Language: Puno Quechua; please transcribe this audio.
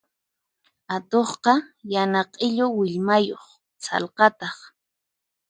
Atuqqa yana q'illu willmayuq sallqataq.